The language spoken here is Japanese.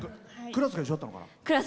クラスが一緒だったのかな。